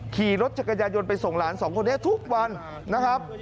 ขี่รถจักรยายนไปส่งหลานสองคนนี้ทุกวันนะครับ